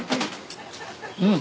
うん。